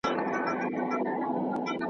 چي تر بیرغ لاندي یې ټول .